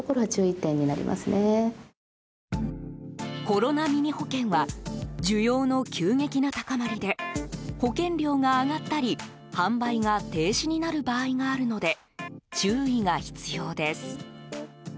コロナミニ保険は需要の急激な高まりで保険料が上がったり販売が停止になる場合があるので注意が必要です。